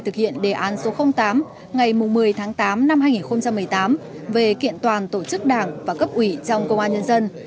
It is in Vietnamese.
thực hiện đề án số tám ngày một mươi tháng tám năm hai nghìn một mươi tám về kiện toàn tổ chức đảng và cấp ủy trong công an nhân dân